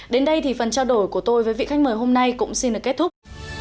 đến đây thì phần trao đổi của tôi với vị khách mời hôm nay cũng xin được kết thúc